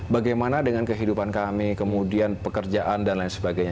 bagaimana dengan kehidupan kami kemudian pekerjaan dan lain sebagainya